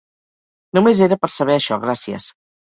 Nomes era per saber això, gracies.